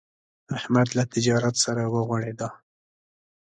احمد له تجارت سره وغوړېدا.